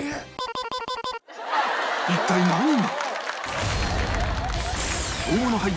一体何が？